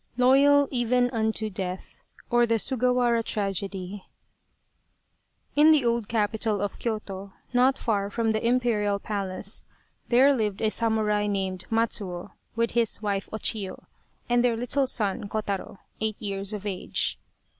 1 80 Loyal, Even Unto Death Or The Sugawara Tragedy IN the old capital of Kyoto, not far from the Imperial Palace, there lived a samurai named Matsuo with his wife O Chiyo, and their little son Kotaro, eight years of age.